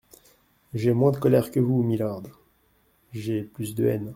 J’ai moins de colère que vous, mylord, j’ai plus de haine.